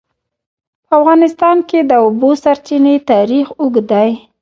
په افغانستان کې د د اوبو سرچینې تاریخ اوږد دی.